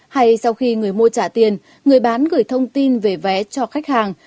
hay sau khi người mua trả tiền người bán gửi thông tin về vé cho khách hàng